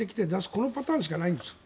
このパターンしかないんです。